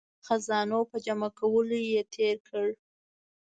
خزانو په جمع کولو یې تیر کړ.